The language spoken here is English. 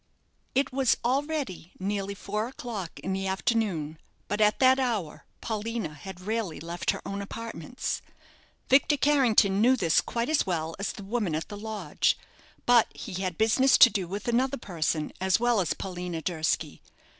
It was already nearly four o'clock in the afternoon; but at that hour Paulina had rarely left her own apartments. Victor Carrington knew this quite as well as the woman at the lodge, but he had business to do with another person as well as Paulina Durski.